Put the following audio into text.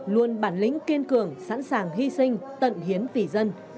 luôn bản lĩnh kiên cường sẵn sàng hy sinh tận hiến vì dân